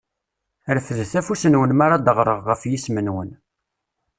Refdet afus-nwen mara d-aɣreɣ ɣef yisem-nwen.